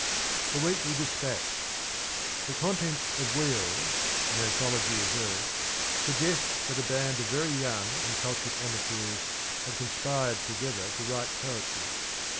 THE WEEKLY DESPATCH. The contents of 'Wheels' — an anthology of verse — sug gests that a band of very young and cultured amateurs have conspired together to write poetry.